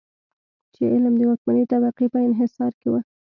چې علم د واکمنې طبقې په انحصار کې و.